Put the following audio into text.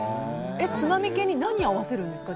つまみ系に何合わせるんですか。